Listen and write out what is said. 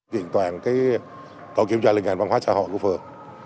điện toàn tổ kiểm tra liên hành văn hóa xã hội của phường